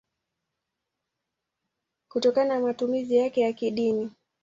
kutokana na matumizi yake ya kidini.